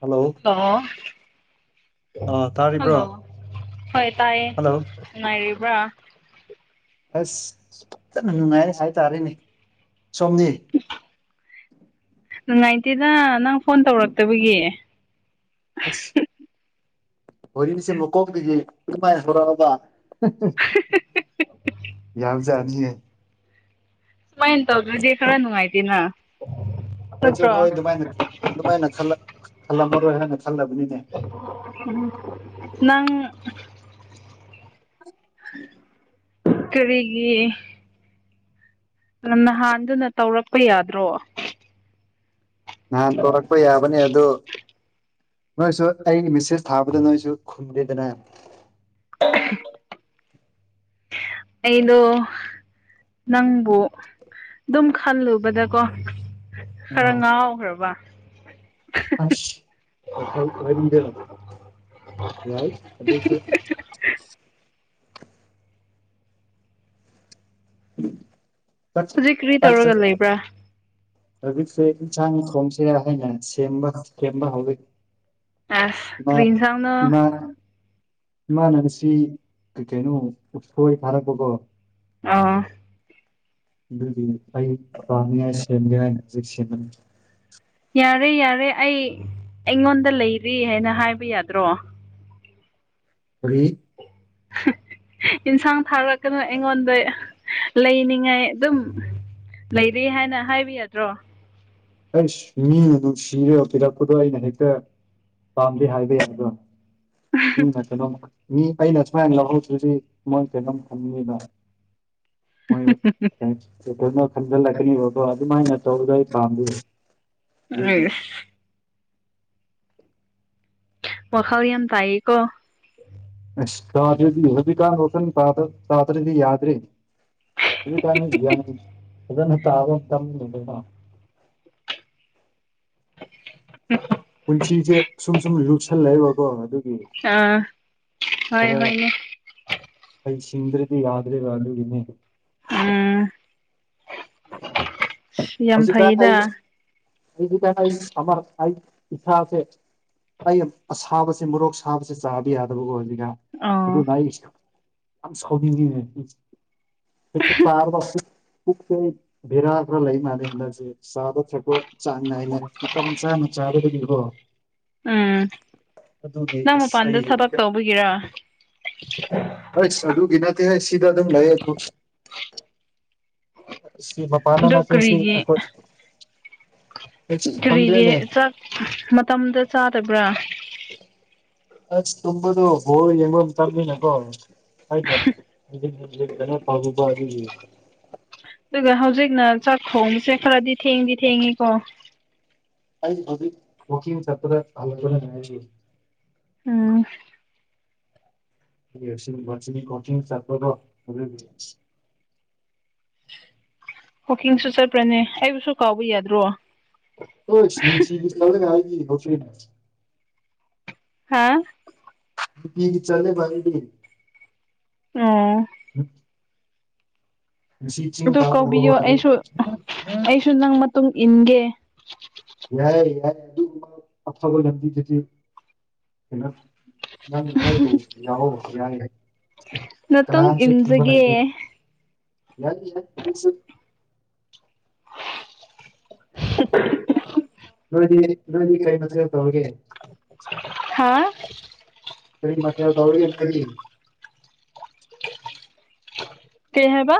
hello ꯂꯣ ꯑ ꯇꯥꯔꯤꯕ꯭ꯔꯣ ꯍꯣꯏ ꯇꯥꯏꯌꯦ ꯍꯜꯂꯣ ꯉꯥꯏꯔꯤꯕ꯭ꯔꯥ ꯑꯁ ꯐꯖꯅ ꯅꯨꯡꯉꯥꯏꯔꯦ ꯍꯥꯏꯇꯥꯔꯅꯦ ꯁꯣꯝꯗꯤ ꯅꯨꯡꯉꯥꯏꯇꯦꯗ ꯅꯪ ꯐꯣꯟ ꯇꯧꯔꯛꯇꯕꯒꯤ ꯑꯁ ꯋꯥꯔꯤꯁꯦ ꯃꯀꯣꯛꯇꯒꯤ ꯑꯗꯨꯃꯥꯏꯅ ꯍꯧꯔꯛꯑꯕ ꯌꯥꯝ ꯆꯥꯅꯤꯌꯦ ꯁꯨꯃꯥꯏꯅ ꯇꯧꯗ꯭ꯔꯗꯤ ꯈꯔ ꯅꯨꯡꯉꯥꯏꯇꯦꯅ ꯑꯩꯁꯨ ꯅꯠꯇ꯭ꯔꯣ ꯅꯣꯏ ꯑꯗꯨꯃꯥꯏꯅ ꯑꯗꯨꯃꯥꯏꯅ ꯈꯜꯂꯝ ꯈꯜꯂꯝꯃꯔꯣꯏ ꯍꯥꯏꯅ ꯈꯜꯂꯕꯅꯤꯅꯦ ꯅꯪ ꯎꯝ ꯀꯔꯤꯒꯤ ꯉꯅꯍꯥꯟꯗꯨꯅ ꯇꯧꯔꯛꯄ ꯌꯥꯗ꯭ꯔꯣ ꯅꯍꯥꯟ ꯇꯣꯔꯛꯄ ꯌꯥꯕꯅꯦ ꯑꯗꯨ ꯅꯪꯁꯨ ꯑꯩꯒꯤ ꯃꯦꯁꯦꯁ ꯊꯥꯕꯗ ꯅꯪꯁꯨ ꯈꯨꯝꯗꯦꯗꯅ ꯑꯩꯗꯣ ꯅꯪꯕꯨ ꯑꯗꯨꯝ ꯈꯜꯂꯨꯕꯗꯀꯣ ꯈꯔ ꯑ ꯉꯥꯎꯈ꯭ꯔꯕ ꯑꯁ ꯋꯥꯈꯜ ꯋꯥꯔꯤꯗꯣ ꯌꯥꯥꯏ ꯑꯗꯨꯁꯨ ꯎꯝ ꯍꯧꯖꯤꯛ ꯀꯔꯤ ꯇꯧꯔꯒ ꯂꯩꯕ꯭ꯔꯥ ꯍꯧꯖꯤꯛꯁꯦ ꯌꯦꯟꯁꯥꯡ ꯊꯣꯡꯁꯦꯔꯅ ꯁꯦꯝꯕ ꯁꯦꯝꯕ ꯍꯧꯔꯤ ꯑꯁ ꯏꯃ ꯀꯔꯤ ꯏꯟꯁꯥꯡꯅꯣ ꯏꯃ ꯏꯃꯥꯟꯅꯕꯁꯤ ꯀꯩ ꯀꯩꯅꯣ ꯎꯁꯣꯏ ꯊꯥꯔꯛꯄꯒꯣ ꯑꯥ ꯕꯤ ꯐꯃꯤꯒ ꯌꯥꯔꯦ ꯌꯥꯔꯦ ꯑꯩ ꯑꯩꯉꯣꯟꯗ ꯂꯩꯔꯤ ꯍꯥꯏꯅ ꯍꯥꯏꯕ ꯌꯥꯗ꯭ꯔꯣ [unintelligible] ꯏꯟꯁꯥꯡ ꯊꯥꯔꯛꯀꯅꯦ ꯑꯩꯉꯣꯟꯗꯩ ꯂꯩꯅꯤꯡꯉꯥꯏ ꯑꯗꯨꯝ ꯂꯩꯔ ꯍꯥꯏꯅ ꯍꯥꯏꯕꯤ ꯌꯥꯗ꯭ꯔꯣ ꯑꯩꯁ ꯃꯤꯅ ꯅꯨꯡꯁꯤꯔꯒ ꯄꯤꯔꯛꯄꯗꯣ ꯑꯩꯅ ꯍꯦꯛꯇ ꯄꯥꯝꯗꯦ ꯍꯥꯏꯕ ꯌꯥꯗ꯭ꯔꯥ [unintelligible] ꯃꯣꯏꯔꯛ ꯇꯦ ꯐꯖꯅ ꯈꯟꯖꯜꯂꯛꯀꯅꯣꯕꯀꯣ ꯑꯗꯨꯃꯥꯏꯅ ꯇꯧꯕꯗꯣ ꯑꯩ ꯄꯥꯝꯗꯦꯕ [unintelligible] ꯃꯈꯥꯔꯤ ꯌꯥꯝꯝ ꯇꯥꯏꯀꯣ ꯑꯁ ꯇꯥꯗ꯭ꯔꯗꯤ ꯍꯧꯖꯤꯛꯀꯥꯟ ꯋꯥꯈꯟ ꯇꯥꯗ꯭ꯔꯗꯤ ꯌꯥꯗ꯭ꯔꯦꯅꯦ ꯍꯨꯖꯤꯛꯀꯥꯟꯗꯤ ꯌꯥꯥꯝ ꯐꯖꯅ ꯇꯥꯕ ꯄꯟꯒꯤꯗ꯭ꯔꯦꯗ ꯎꯝ ꯄꯨꯟꯁꯤꯖꯦ ꯁꯨꯝ ꯁꯨꯝ ꯂꯨꯞꯁꯜꯂꯛꯂꯒꯀꯣ ꯑꯗꯨꯒꯤ ꯑꯥ ꯍꯣꯏ ꯈꯔ ꯍꯣꯏꯅꯦ ꯑꯩ ꯁꯤꯡꯗ꯭ꯔꯗꯤ ꯌꯥꯎꯗ꯭ꯔꯦꯕ ꯑꯗꯨꯒꯤꯅꯦ ꯎꯝ ꯌꯥꯝ ꯐꯩꯗ ꯑꯗꯨꯗ ꯍꯥꯏ ꯑꯃꯔꯛ ꯍꯥꯏ ꯏꯁꯥꯁꯦ ꯑꯩ ꯑꯁꯥꯕꯕꯁꯤꯦ ꯃꯣꯔꯣꯛ ꯁꯥꯕꯁꯦ ꯆꯥꯕ ꯌꯥꯗꯕꯒꯣ ꯍꯧꯖꯤꯛꯀ ꯑꯣ ꯑꯗꯨꯅ ꯑꯩ [unintelligible] ꯄꯨ ꯦꯔꯥꯒ꯭ꯔ ꯂꯩ ꯃꯥꯅꯤ ꯍ ꯁꯥꯗꯒ ꯆꯥꯡ ꯅꯥꯏꯅꯦ ꯃꯇꯝ ꯆꯥꯅ ꯆꯥꯔꯒꯗꯤꯀꯣ ꯎꯝ ꯅꯪ ꯑꯁ ꯃꯄꯥꯟꯗ ꯑꯩ ꯊꯕꯛ ꯍꯧꯖꯤꯛꯀ ꯇꯧꯕꯒꯤꯔ ꯍꯣꯏꯁ ꯑꯗꯨꯒꯤ ꯅꯠꯇꯦꯍꯦ ꯁꯤꯗ ꯑꯗꯨꯝ ꯂꯩꯌꯦ ꯒ꯭ꯔꯨꯨꯞ ꯥꯁꯤ ꯃꯄꯥꯟꯗ ꯑꯗꯨ ꯅꯠꯇꯦ ꯁꯤ ꯀꯔꯤꯒꯤ ꯑꯩꯈꯣꯏ ꯀꯔꯤꯒꯤ ꯈꯪꯗ꯭ꯔꯦꯅꯦ ꯆꯥꯛ ꯃꯇꯝꯗ ꯆꯥꯗꯕ꯭ꯔꯥ ꯑꯁ ꯇꯝꯕꯗꯨ ꯣ ꯌꯦꯡꯣꯟꯝ ꯇꯔꯃꯤꯅ ꯀꯣ [unintelligible] ꯑꯗꯨꯒ ꯍꯧꯖꯤꯛꯅ ꯆꯥꯛ ꯈꯣꯡꯉꯁꯦ ꯈꯔꯗꯤ ꯊꯦꯡꯗꯤ ꯊꯦꯡꯉꯤꯀꯣ ꯆꯄꯗ ꯎꯝ ꯀꯣꯆꯤꯡ ꯆꯄꯕꯣ ꯋꯥꯀꯤꯡꯁꯨ ꯆꯠꯄ꯭ꯔꯅꯦ ꯑꯩꯕꯨꯁꯨ ꯀꯥꯎꯕ ꯌꯥꯗ꯭ꯔꯣ ꯍꯣꯏꯁꯤ ꯂꯧ ꯍꯥꯏ ꯍꯥꯥ ꯅꯨꯡꯇꯤꯒꯤ ꯆꯠꯂꯦꯕ ꯑꯩꯗꯤ ꯎ ꯎ ꯑꯗꯨ ꯀꯧꯕꯤꯌꯣ ꯑꯩꯁꯨ [unintelligible] ꯑꯩꯁꯨ ꯅꯪ ꯃꯇꯨꯡ ꯏꯟꯒꯦ ꯌꯥꯔꯦ ꯌꯥꯔꯦ ꯑꯗꯨꯒꯨꯝꯕ ꯑꯐꯕ ꯂꯝꯕꯤꯗꯨꯗꯤ ꯊꯝꯃꯣ ꯅꯪ ꯅꯣꯏꯕꯨꯣ ꯌꯥꯎꯑꯣ ꯌꯥꯏ ꯌꯥꯏ ꯅꯇꯨꯡ ꯀꯅꯥꯝꯁꯨ ꯊꯨꯝꯕ ꯂꯩꯇꯦ ꯏꯟꯖꯒꯦ [unintelligible] ꯅꯣꯏꯗꯤ ꯅꯣꯏꯗꯤ ꯀꯩ ꯃꯠꯇꯄ ꯍꯧꯒꯦ ꯍꯥꯥ ꯀꯔꯤ ꯃꯊꯦꯜ ꯇꯧꯔꯒꯦ ꯈꯜꯂꯤ ꯀꯩ ꯍꯥꯏꯕ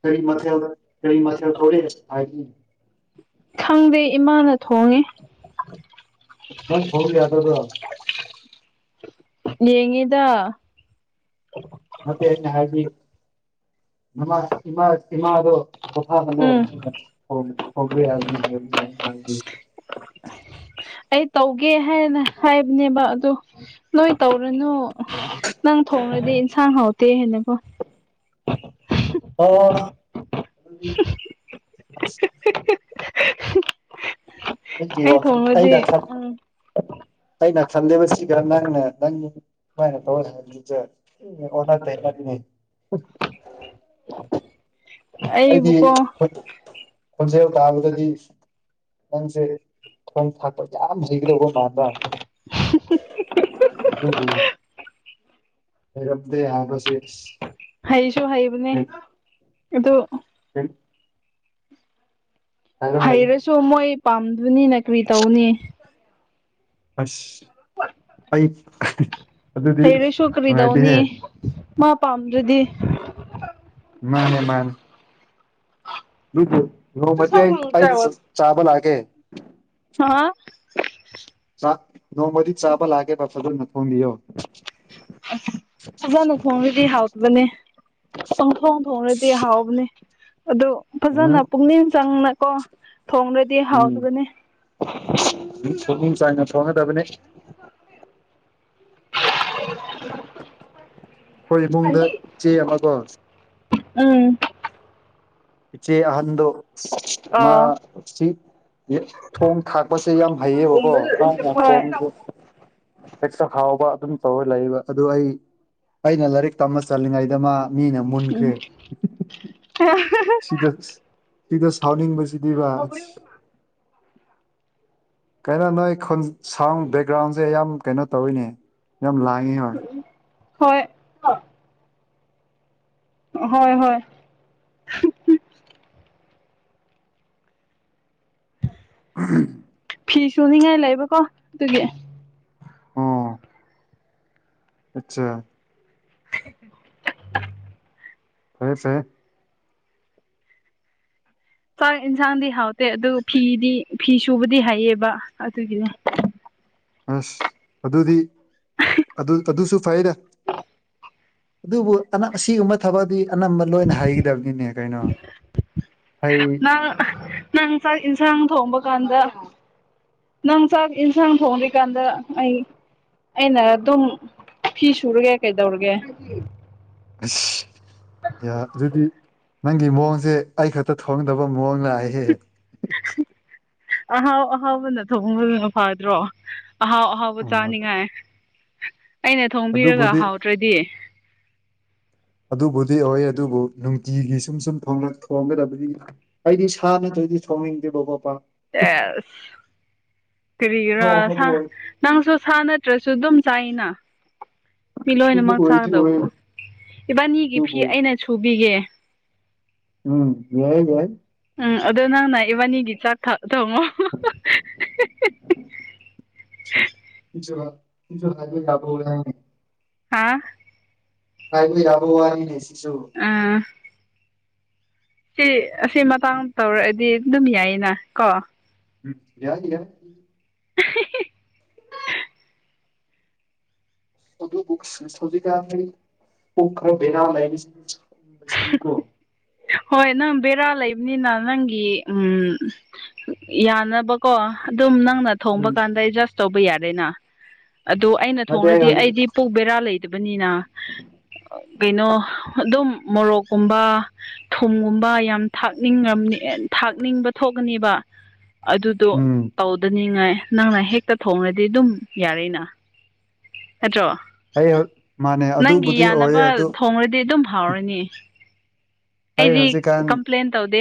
ꯀꯔꯤ ꯃꯊꯜ ꯀꯔꯤ ꯃꯊꯜ ꯇꯧꯔꯤ ꯍꯥꯏ ꯈꯪꯗꯦ ꯏꯃꯥꯅ ꯊꯣꯡꯉꯦ ꯅꯪ ꯍ꯭ꯔꯤ ꯌꯥꯎꯗꯗ꯭ꯔꯣ ꯌꯦꯡꯉꯦꯗ ꯅꯠꯇꯦ ꯑꯩꯅ ꯍꯥꯏꯗꯤ ꯃꯃꯥ ꯏꯃꯥ ꯏꯃꯥꯗꯣ ꯎꯝ [unintelligible] ꯑꯩ ꯇꯧꯒꯦ ꯍꯥꯏꯅ ꯍꯥꯏꯕꯅꯦꯕ ꯑꯗ ꯅꯣꯏ ꯇꯧꯔꯨꯅꯨ ꯅꯪ ꯊꯣꯡꯡꯂꯗꯤ ꯏꯟꯁꯥꯡ ꯍꯥꯎꯇꯦ ꯍꯥꯏꯅꯀꯣ [inaudible] ꯑꯣ ꯑꯗꯨꯗꯤ ꯑꯁ ꯒꯤ ꯑꯩ ꯋꯥ ꯈꯟ ꯇ ꯊꯣꯡꯔꯗꯤ ꯗꯂ ꯎꯝ ꯑꯩꯅ ꯈꯜꯂꯦꯕ ꯁꯤꯒ ꯅꯪꯅ ꯅꯪ ꯀꯃꯥꯏꯅ ꯇꯧꯔꯦ ꯍꯥꯏꯕꯁꯦ ꯎꯪꯅꯕ ꯅꯠꯇꯦ ꯙꯞ ꯅꯦ [unintelligible] ꯑꯩꯗꯤ ꯑꯩꯕꯨꯀꯣ ꯍꯣꯠ ꯈꯣꯟꯖꯦꯜ ꯀꯥꯕꯗꯗꯤ ꯅꯪꯁꯦ ꯊꯣꯡ ꯊꯥꯛꯄ ꯌꯥꯝ ꯍꯩꯒꯗꯧꯕ ꯗ ꯑꯗꯨꯨꯍ ꯍꯔꯝꯗ ꯌꯥꯕꯁꯤꯦꯁ ꯍꯩꯁꯨ ꯍꯩꯕꯅꯦ ꯑꯗꯨ [unintelligible] ꯍꯥꯏ ꯍꯩꯔꯁꯨ ꯃꯣꯏ ꯄꯥꯝꯗꯅꯤ ꯅ ꯀ꯭ꯔꯤ ꯇꯧꯅꯤ ꯑꯁ ꯑꯩ ꯑꯗꯨꯗꯤ ꯍꯩꯔꯁꯨ ꯅꯨꯡꯉꯥꯏꯇꯦꯍꯦ ꯀꯔꯤꯗꯧꯅꯤ ꯃꯥ ꯄꯥꯝꯗ꯭ꯔꯗꯤ ꯃꯥꯅꯦ ꯃꯥꯅꯦ ꯅꯣꯡꯃꯗꯤ ꯑꯩ ꯑꯩ ꯆ ꯆꯥꯕ ꯂꯥꯛꯀꯦ [unintelligible] ꯆꯥꯛ ꯅꯣꯡꯃꯗꯤ ꯆꯥꯕ ꯂꯥꯛꯀꯦꯕ ꯐꯖꯅ ꯊꯣꯡꯕꯤꯌꯣ ꯑꯁ ꯐꯖꯅ ꯈꯣꯡꯗꯨꯗꯤ ꯍꯥꯎꯇꯕꯅꯦ ꯄꯪ ꯊꯣꯡ ꯊꯣꯡꯔꯗꯤ ꯍꯥꯎꯕꯅꯦ ꯑꯗꯣ ꯐꯖꯅ ꯎꯝ ꯄꯨꯛꯅꯤꯡ ꯆꯪꯅꯀꯣ ꯊꯣꯡꯔꯗꯤ ꯍꯥꯎꯒꯅꯤ ꯐꯅꯨꯡ ꯆꯥꯡꯅ ꯐꯣꯡꯒꯗꯕꯅꯤ ꯑꯩꯈꯣꯏ ꯏꯃꯨꯡꯗ ꯏꯆꯦ ꯑꯃꯗꯣ ꯎꯝ ꯆꯦ ꯑꯍꯟꯗꯣ ꯃꯥ ꯑꯥ ꯁꯤ ꯊꯣꯡ ꯊꯥꯛꯄꯁꯦ ꯌꯥꯝ ꯍꯩꯌꯦꯕꯀꯣ ꯅꯣꯡꯁ [inaudible] ꯍꯦꯛꯇ ꯍꯥꯎꯕ ꯑꯗꯨꯝ ꯇꯧꯔ ꯂꯩꯕ ꯑꯗꯨ ꯑꯩ ꯑꯩꯅ ꯂꯥꯏꯔꯤꯛ ꯇꯝꯕ ꯆꯠꯂꯤꯉꯩꯗ ꯃꯥ ꯃꯤꯅ ꯃꯨꯟꯒ꯭ꯔꯦ [unintelligible] ꯁꯤꯗ ꯁꯤꯗ ꯁꯥꯎꯅꯤꯡꯕꯁꯤꯗꯤ ꯔꯁ ꯀꯩꯅꯣ ꯅꯣꯏ ꯁꯥꯎꯟ ꯕꯦꯛꯒ꯭ꯔꯥꯎꯟꯁꯦ ꯌꯥꯝ ꯀꯩꯅꯣ ꯇꯧꯔꯤꯤꯅꯦ ꯌꯥꯝ ꯂꯥꯡꯉꯤ ꯍꯣꯏ ꯍꯣꯏ ꯍꯣꯏ ꯍꯣꯏ ꯑ ꯐꯤ ꯁꯨꯅꯤꯡꯉꯥꯏ ꯂꯩꯕꯀꯣ ꯑꯗꯨꯗꯤ ꯑꯆꯥ [unintelligible] ꯐꯔꯦ ꯐꯔꯦ ꯆꯥꯛ ꯏꯟꯁꯥꯡꯗꯤ ꯍꯥꯎꯇꯦ ꯑꯗꯨꯒ ꯐꯤꯗꯤ ꯐꯤ ꯁꯨꯕꯗꯤ ꯍꯥꯏꯩꯌꯦꯕ ꯑꯗꯨꯒꯤꯅꯦ ꯑꯁ ꯑꯗꯨꯗꯤ ꯑꯗꯨ ꯑꯗꯨꯁꯨ ꯐꯩꯗ ꯑꯗꯨꯕꯨ ꯑꯅ ꯑꯁꯤꯒꯨꯝꯕ ꯊꯕꯛꯗꯤ ꯑꯅꯝꯕ ꯂꯣꯏꯅ ꯍꯩꯒꯗꯕꯅꯤꯅꯦ ꯀꯩꯅꯣ ꯍꯥꯏꯩ ꯅꯪ ꯅꯪ ꯆꯥꯛ ꯌꯦꯟꯁꯥꯡ ꯊꯣꯡꯕ ꯀꯥꯟꯗ ꯅꯪ ꯆꯥꯛ ꯏꯟꯁꯥꯟ ꯀꯥꯟꯗ ꯑꯩ ꯑꯩꯅ ꯑꯗꯨꯝ ꯐꯤ ꯁꯨꯔꯒꯦ ꯀꯩꯗꯧꯔꯒꯦ ꯑꯁ ꯌꯥ ꯑꯗꯨꯗꯤ ꯅꯪꯒꯤ ꯃꯑꯣꯡꯁꯦ ꯑꯩ ꯈꯛꯇ ꯊꯣꯡꯗꯕ ꯃꯑꯣꯡ ꯂꯥꯛꯑꯦꯍꯦ ꯑꯍꯥꯎ ꯑꯍꯥꯎꯕꯅ ꯊꯕꯣꯡꯕꯗꯨꯅ ꯐꯥꯗ꯭ꯔꯣ ꯑꯍꯥꯎ ꯑꯥꯎ ꯑꯍꯥꯎꯕ ꯎꯝ ꯆꯥꯅꯤꯡꯉꯥꯏ ꯑꯩꯅ ꯊꯣꯡꯕꯤꯔꯒ ꯑꯗꯨꯕꯨꯗꯤ ꯍꯥꯎꯗ꯭ꯔꯗꯤ [inaudible] ꯑꯗꯨꯕꯨꯗꯤ ꯑꯣꯏꯋꯦ ꯑꯗꯨꯕꯨ ꯅꯨꯡꯇꯤꯒꯤ ꯁꯨꯝ ꯁꯨꯝ ꯊꯣꯡꯒꯗꯕꯗꯤ ꯑꯩꯗꯤ ꯁꯥ ꯅꯠꯇ꯭ꯔꯗꯤ ꯊꯣꯡꯅꯤꯡꯗꯦꯕ ꯁꯦꯁ ꯀꯔꯤꯒꯤꯔ ꯑꯍꯥꯎ ꯍꯥ ꯑꯍꯥꯎꯕ ꯑꯣꯏ ꯅꯪꯁꯨ ꯁꯥ ꯅꯠꯇ꯭ꯔꯁꯨ ꯑꯗꯨꯝ ꯆꯥꯏꯅ ꯃꯤ ꯑꯗꯨꯁꯨ ꯂꯣꯏꯅꯃꯛ ꯑꯣꯏꯗꯤ ꯑꯣꯏ ꯆꯥꯒꯗꯧꯕ꯭ꯔꯣ ꯏꯕꯥꯅꯤꯒꯤ ꯐꯤ ꯑꯗꯨꯕꯨ ꯑꯩꯅ ꯁꯨꯕꯤꯒꯦ ꯎꯝ ꯌꯥꯏ ꯌꯥꯏ ꯎꯝ ꯑꯗꯣ ꯅꯪꯅ ꯏꯕꯥꯅꯤꯒꯤ ꯆꯥꯛ ꯊꯥꯛ ꯊꯣꯡꯉꯣ [unintelligible] ꯁꯨ ꯂꯦ ꯌꯥꯕ ꯍꯥꯥ ꯄꯥꯏꯕꯗꯤ ꯌꯥꯕꯅꯦ ꯋꯥ ꯉꯥꯡꯉꯤꯅꯦ ꯁꯤꯁꯨ ꯑꯥ ꯁꯤ ꯑꯁꯤ ꯃꯇꯥꯡ ꯇꯧꯔꯛꯑꯗꯤ ꯑꯗꯨꯝ ꯌꯥꯏꯌꯦꯅ ꯀꯣ ꯎꯝ ꯌꯥꯔ ꯌꯥ ꯑꯗꯨꯖꯤ ꯀ ꯄꯨꯔꯅꯥ ꯂꯩ [inaudible] ꯍꯣꯏ ꯅꯪ ꯕꯦꯔꯥ ꯂꯩꯕꯅꯤꯅ ꯅꯪꯒꯤ ꯎꯝ ꯌꯥꯅꯕꯀꯣ ꯑꯗꯨꯝ ꯅꯪꯅ ꯊꯣꯡꯕ ꯎꯝ ꯀꯥꯟꯗ ꯑꯩ ꯖꯁ ꯇꯧꯕ ꯌꯥꯔꯦꯅ ꯑꯗꯨ ꯑꯩꯅ ꯅꯠꯇꯦ ꯑꯩ ꯊꯣꯡꯔꯗꯤ ꯍꯧꯖꯤꯛ ꯑꯩꯗꯤ ꯄꯨꯛ ꯕꯦꯔꯥ ꯂꯩꯇꯕꯅꯤꯅ ꯀꯩꯅꯣ ꯑꯗꯨꯝ ꯃꯣꯔꯣꯛꯀꯨꯝꯕ ꯊꯨꯝꯒꯨꯝꯕ ꯌꯥꯝ ꯊꯥꯛꯅꯤꯡ ꯊꯥꯛꯅꯤꯡꯕ ꯊꯣꯛꯀꯅꯦꯕ ꯑꯗꯨꯗꯣ ꯎꯝ ꯇꯧꯗꯅꯤꯡꯉꯥꯏ ꯅꯪꯅ ꯍꯦꯛꯇ ꯊꯣꯡꯉꯗꯤ ꯑꯗꯨꯝ ꯌꯥꯔꯦꯅ ꯅꯠꯇ꯭ꯔꯣ ꯑꯩ ꯍꯧ ꯃꯥꯅꯦ ꯅꯪꯒꯤ ꯑꯗꯨꯕꯨꯗꯤ ꯌꯥꯅꯕ ꯑꯣꯏꯌꯦ ꯑꯗꯨ ꯊꯣꯡꯔꯗꯤ ꯑꯗꯨꯝ ꯍꯥꯎꯔꯅꯤ ꯑꯩ ꯑꯩꯗꯤ ꯍꯧꯖꯤꯛꯀꯥꯟ ꯀꯝꯄ꯭ꯂꯦꯟ ꯇꯧꯗꯦ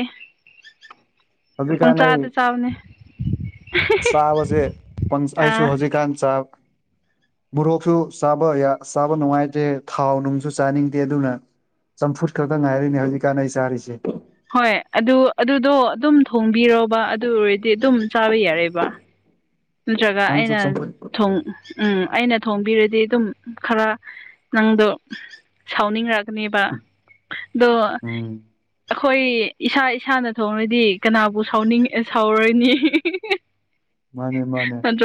ꯄꯪ ꯍꯧꯖꯤꯛꯀꯥꯟ ꯑꯩ ꯆꯥꯗ ꯆꯕꯥꯅꯦ ꯆꯥꯕꯁꯦ ꯑꯥ ꯑꯩꯁꯨ ꯍꯧꯖꯤꯛꯀꯥꯟ ꯆꯥꯕ ꯃꯣꯔꯣꯛꯁꯨ ꯆꯥꯕ ꯆꯥꯕ ꯅꯨꯡꯉꯥꯏꯇꯦ ꯊꯥꯎ ꯅꯨꯡꯁꯨ ꯆꯥꯅꯤꯡꯗꯦ ꯑꯗꯨꯅ ꯆꯝꯐꯨꯠ ꯈꯛꯇ ꯉꯥꯏꯔꯤꯅꯦ ꯍꯧꯖꯤꯛꯀꯥꯟ ꯑꯩ ꯆꯥꯔꯤꯁꯦ ꯍꯣꯏ ꯑꯗꯨ ꯑꯗꯨꯗꯣ ꯑꯗꯨꯝ ꯊꯣꯡꯕꯤꯔꯣꯕ ꯑꯗꯨ ꯑꯣꯏꯔꯗꯤ ꯑꯗꯨꯝ ꯆꯥꯕ ꯌꯥꯔꯦꯕ ꯅꯠꯇ꯭ꯔꯒ ꯅꯪꯁꯨ ꯑꯩꯅ ꯆꯝꯐꯨꯠ ꯊꯣꯡ ꯎꯝ ꯑꯩꯅ ꯊꯣꯡꯕꯤꯔꯗꯤ ꯑꯗꯨꯝ ꯈꯔ ꯅꯪꯗꯣ ꯁꯥꯎꯅꯤꯡꯉꯛꯒꯅꯦꯕ ꯑꯗꯣ ꯎꯝ ꯈꯣꯏ ꯏꯁꯥ ꯏꯁꯥꯅ ꯊꯣꯡꯔꯗꯤ ꯀꯅꯥꯕꯨ ꯁꯥꯎꯅꯤꯡ ꯁꯥꯎꯔꯣꯏꯅꯤ ꯃꯥꯅꯦ ꯃꯥꯅꯦ ꯣ [unintelligible]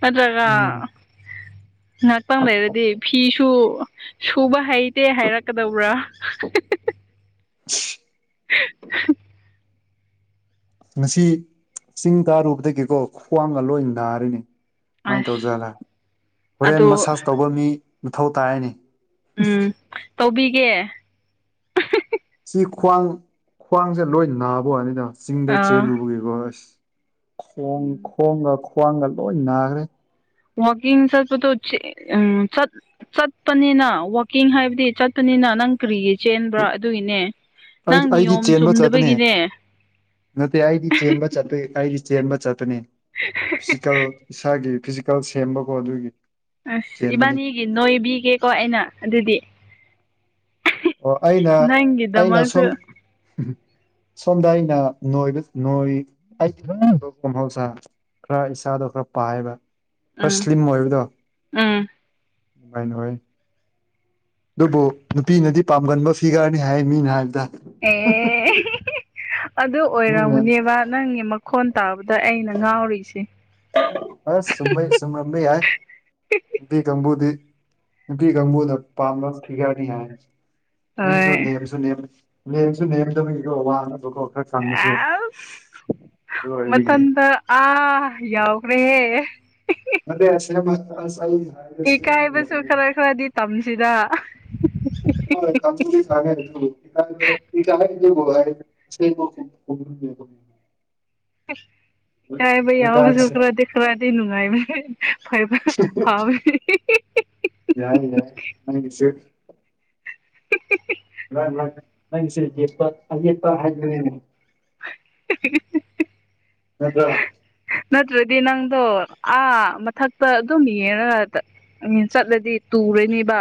ꯅꯠꯇ꯭ꯔꯒ ꯎꯝ ꯉꯥꯏꯍꯥꯛꯇꯪ ꯂꯩꯔꯗꯤ ꯐꯤꯁꯨ ꯁꯨꯕ ꯍꯩ ꯏꯠꯇꯦ ꯍꯥꯏꯔꯛꯀꯗꯧꯕ꯭ꯔꯥ [unintelligible] ꯉꯁꯤ ꯆꯤꯡ ꯇꯥꯔꯨꯕꯗꯒꯤꯀꯣ ꯈ꯭ꯋꯥꯡꯒ ꯂꯣꯏ ꯅꯥꯔꯤꯅꯤ ꯁꯨꯃꯥꯏꯅ ꯑꯁ ꯇꯧꯖꯥꯂ ꯑꯗꯣ ꯍꯣꯔꯦꯟ ꯃꯁꯥꯁ ꯇꯧꯕ ꯃꯤ ꯃꯊꯧ ꯇꯥꯔꯅꯤ ꯎꯝ ꯇꯧꯕꯤꯒꯦ ꯁꯤ ꯈ꯭ꯋꯥꯡ ꯈ꯭ꯋꯥꯡꯁꯦ ꯂꯣꯏ ꯅꯥꯕ ꯋꯥꯅꯤꯗ ꯆꯤꯡꯗ ꯑꯥ ꯆꯦꯜꯂꯨꯕꯒꯤꯀꯣ ꯑꯁ ꯈꯣꯡ ꯈ꯭ꯣꯡꯒ ꯈ꯭ꯋꯥꯡꯒ ꯂꯣꯏ ꯅꯥꯈ꯭ꯔꯦ ꯋꯥꯀꯤꯡ ꯁꯔꯄ ꯆꯠ ꯆꯠꯄꯅꯤꯅ ꯋꯥꯛꯀꯤꯡ ꯍꯥꯏꯕꯗꯤ ꯆꯠꯄꯅꯤꯅ ꯅꯪ ꯀꯔꯤꯒꯤ ꯆꯦꯟꯕ꯭ꯔꯥ ꯑꯗꯨꯒꯤꯅꯦ ꯑꯩ ꯅꯪ ꯑꯩꯗꯤ ꯅꯤꯌꯣꯝ ꯆꯦꯟꯕ ꯆꯠꯇꯄꯅꯦ ꯆꯨꯝꯗꯕꯒꯤꯅꯦ ꯅꯠꯇꯦ ꯑꯩꯗꯤ ꯆꯦꯟꯕ ꯆꯄ ꯑꯩꯒꯤ ꯆꯦꯟꯕ ꯆꯠꯄꯅꯤ ꯐꯤꯖꯤꯀꯦꯜ ꯏꯁꯥꯒꯤ ꯐꯤ ꯀꯜ ꯁꯦꯝꯕꯀꯣ ꯑꯗꯨꯒꯤ ꯑꯁ ꯆꯦꯟꯕꯅꯤ ꯏꯕꯥꯅꯤꯒꯤ ꯅꯣꯏꯕꯤꯒꯦꯀꯣ ꯑꯩꯅ ꯑꯗꯨꯗꯤ ꯑꯣ ꯑꯩꯅ ꯑꯩꯅ ꯁꯨꯝ ꯅꯪꯒꯤꯗꯃꯛꯁꯨ ꯁꯣꯝꯗ ꯑꯩꯅꯣꯏ ꯅꯣꯏ ꯑꯩꯗꯤ ꯀꯍꯥꯎꯁꯥ ꯈꯔ ꯏꯁꯥꯗꯣ ꯈꯔ ꯄꯥꯏꯕ ꯈꯔ ꯎꯝ ꯁ꯭ꯂꯤꯝ ꯑꯣꯏꯕꯗꯣ ꯎꯝ ꯑꯗꯨꯅꯨꯡꯃꯥꯏꯅ ꯍꯣꯏ ꯑꯗꯨꯕꯨ ꯅꯨꯄꯤꯅꯗꯤ ꯄꯥꯝꯒꯟꯕ ꯐꯤꯒꯔꯅꯤ ꯍꯥꯏ ꯃꯤꯅ ꯍꯥꯏꯕꯗ ꯑꯦ ꯑꯗꯨ ꯃꯤꯅ ꯑꯣꯏꯔꯝꯃꯨꯅꯦꯕ ꯅꯪꯅꯦ ꯃꯈꯣꯟ ꯇꯥꯕꯗ ꯑꯩꯅ ꯉꯥꯎꯔꯤꯁꯦ ꯑꯁ ꯁꯃꯩ [inaudible] ꯌꯥꯏ ꯕꯤꯒꯝꯕꯨꯨꯗꯤ ꯕꯤꯒꯝꯕꯨꯨꯗ ꯄꯥꯝꯕ ꯊꯒꯅꯤ ꯍꯥꯏ ꯃꯤꯁꯨ ꯍꯣꯏ ꯅꯦꯝꯁꯨ ꯅꯦꯝ ꯅꯦꯝꯁꯨ ꯅꯦꯝꯗꯕꯀꯣ ꯋꯥꯅꯕꯀꯣ ꯈꯔ ꯆꯪꯕꯁꯨ ꯑꯁ ꯑꯗꯨ ꯑꯣꯏꯕꯒꯤ ꯃꯊꯟꯇ ꯑꯥ ꯌꯥꯎꯒ꯭ꯔꯦꯍꯦ ꯃꯁ ꯏꯀꯥꯏꯕꯁꯨ ꯈꯔ ꯈꯔꯗꯤ ꯇꯝꯁꯤꯔ [inaudible] ꯁ [unintelligible] [inaudible] ꯇꯥꯏꯕꯩ ꯌꯥꯎꯕꯖꯈ꯭ꯔꯥ ꯗꯦ ꯈ꯭ꯔꯥꯗꯤ ꯅꯨꯡꯉꯥꯏꯕ ꯐꯥꯏꯕ ꯐꯥꯝ [inaudible] ꯌꯥꯏ ꯌꯥꯦ ꯃꯅꯤꯁꯨ [unintelligible] ꯂꯥꯛ ꯂ ꯅꯪꯁꯨ ꯌꯦꯠꯄ ꯌꯦꯠꯄ ꯍꯥꯏꯕꯅꯤ [unintelligible] ꯅꯠꯇ꯭ꯔ ꯅꯠꯇ꯭ꯔꯗꯤ ꯅꯪꯗꯣ ꯑꯥ ꯃꯊꯛꯇ ꯑꯗꯨꯝ ꯌꯦꯅ ꯆꯠꯂꯗꯤ ꯇꯨꯔꯅꯤꯕ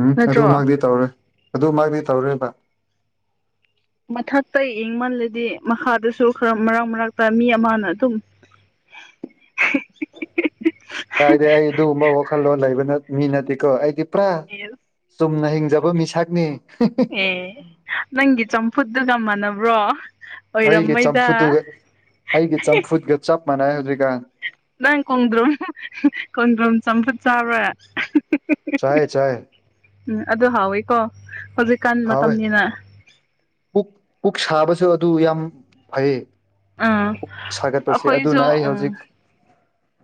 ꯎꯝ ꯅꯠꯇ꯭ꯔꯣ ꯑꯗꯨꯃꯗꯤ ꯇꯧꯔꯦ ꯑꯗꯨꯃꯗꯤ ꯇꯧꯔꯣꯏꯕ ꯃꯊꯛꯇ ꯌꯦꯡꯃꯜꯂꯗꯤ ꯃꯈꯥꯗꯨꯁꯨ ꯈꯔ ꯃꯔꯛ ꯃꯔꯛꯇ ꯃꯤ ꯑꯃꯅ ꯑꯗꯨꯝ ꯀꯗꯤ ꯑꯩ ꯑꯗꯨꯒꯨꯝꯕ ꯋꯥꯈꯜꯂꯣꯟ ꯂꯩꯕ ꯃꯤ ꯅꯠꯇꯦꯀꯣ ꯑꯩꯗꯤ ꯄꯨꯔꯥ ꯌꯦꯁ ꯆꯨꯝꯅ ꯍꯤꯡꯖꯕ ꯃꯤꯁꯛꯅꯤ ꯑꯦ ꯅꯪꯒꯤ ꯆꯝꯐꯨꯠꯗꯨꯒ ꯃꯥꯟꯅꯕ꯭ꯔꯣ ꯑꯩꯒꯤ ꯑꯣꯏꯔꯝꯃꯣꯏꯗ ꯆꯝꯐꯨꯠꯇꯨꯒ ꯑꯩꯒꯤ ꯆꯝꯐꯨꯠꯒ ꯆꯞ ꯃꯥꯟꯅꯩ ꯍꯧꯖꯤꯛꯀꯥꯟ ꯅꯪ ꯀꯣꯡꯗ꯭ꯔꯣꯝ ꯀꯣꯡꯗ꯭ꯔꯝ ꯆꯝꯐꯨꯠ ꯆꯥꯕ꯭ꯔꯦ ꯆꯥꯏ ꯆꯥꯏ ꯎꯝ ꯑꯗꯨ ꯍꯥꯎꯋꯤꯀꯣ ꯍꯧꯖꯤꯛꯀꯥꯟ ꯍꯥꯎꯋꯦ ꯃꯇꯝꯅꯤꯅ ꯄꯨꯛ ꯄꯨꯛ ꯁꯥꯕꯁꯨ ꯑꯗꯨ ꯌꯥꯝ ꯐꯩ ꯑꯥ ꯄꯨꯛ ꯁꯥꯒꯠꯄꯁꯦ ꯑꯩꯈꯣꯏꯁꯨ ꯑꯗꯨꯅ ꯑꯩ ꯎꯝ ꯍꯧꯖꯤꯛ